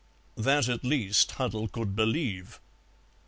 That at least Huddle could believe.